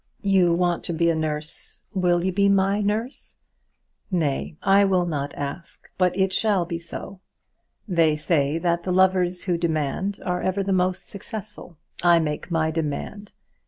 "You want to be a nurse; will you be my nurse? Nay; I will not ask, but it shall be so. They say that the lovers who demand are ever the most successful. I make my demand.